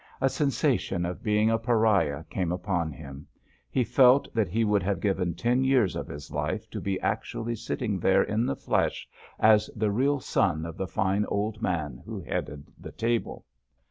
A sensation of being a pariah came upon him; he felt that he would have given ten years of his life to be actually sitting there in the flesh as the real son of the fine old man who headed the table.